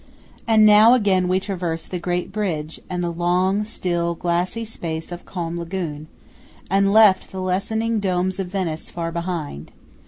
And now again we traversed the great bridge and the long, still, glassy space of calm lagune, and left the lessening domes of Venice far behind.